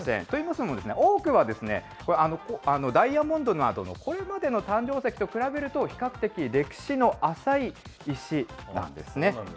といいますのも、多くはですね、ダイヤモンドなどのこれまでの誕生石と比べると、比較的歴史の浅い石なんですね。